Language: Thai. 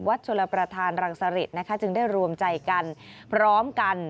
วัดชนประธานรังสฤษจึงได้รวมใจกันพร้อมกัน